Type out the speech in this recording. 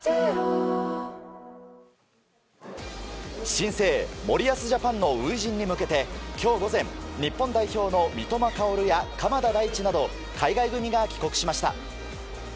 新生森保ジャパンの初陣に向けて今日午前日本代表の三笘薫や鎌田大地など海外組が帰国しました。